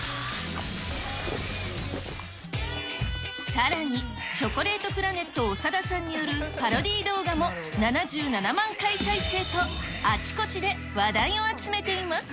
さらに、チョコレートプラネット・長田さんによるパロディ動画も７７万回再生と、あちこちで話題を集めています。